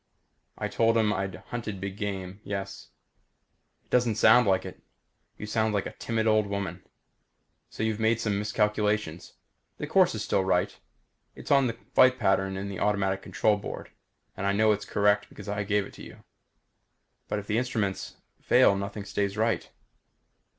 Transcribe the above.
I told him I'd hunted big game yes. "It doesn't sound like it. You sound like a timid old woman. So you've made some miscalculations. The course is still right. It's on the flight pattern in the automatic control board and I know it's correct because I gave it to you." "But if instruments fail nothing stays right."